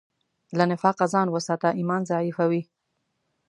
له نفاقه ځان وساته، ایمان ضعیفوي.